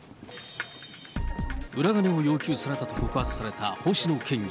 裏金を要求されたと告発された星野県議。